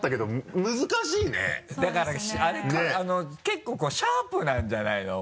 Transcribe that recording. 結構シャープなんじゃないの？